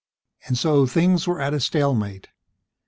And so, things were at a stalemate.